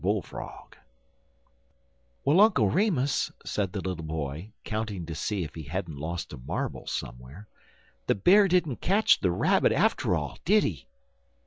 BULL FROG "WELL, Uncle Remus," said the little boy, counting to see if he hadn't lost a marble somewhere, "the Bear didn't catch the Rabbit after all, did he?"